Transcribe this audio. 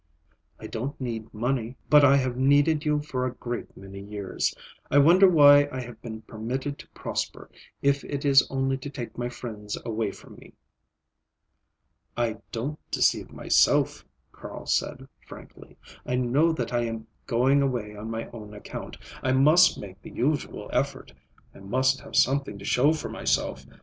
"I don't need money. But I have needed you for a great many years. I wonder why I have been permitted to prosper, if it is only to take my friends away from me." "I don't deceive myself," Carl said frankly. "I know that I am going away on my own account. I must make the usual effort. I must have something to show for myself.